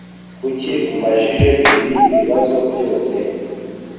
Kuki umbajije ibi bibazo byose?